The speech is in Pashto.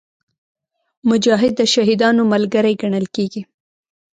مجاهد د شهیدانو ملګری ګڼل کېږي.